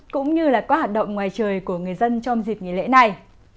cũng như là các hoạt động ngoài trời của người dân trong dịp nghỉ lễ này